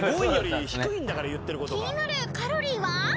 ［気になるカロリーは？］